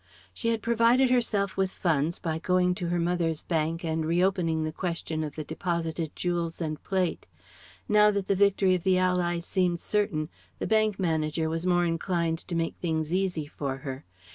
She had provided herself with funds by going to her mother's bank and reopening the question of the deposited jewels and plate. Now that the victory of the Allies seemed certain, the bank manager was more inclined to make things easy for her.